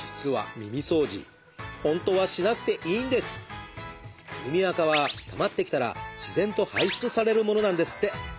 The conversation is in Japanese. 耳あかはたまってきたら自然と排出されるものなんですって。